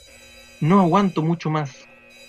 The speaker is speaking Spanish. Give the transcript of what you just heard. ¡ No aguanto mucho más!